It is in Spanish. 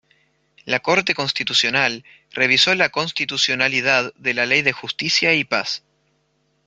La Corte Constitucional revisó la constitucionalidad de la Ley de Justicia y Paz.